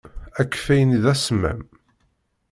Akeffay-nni d asemmam.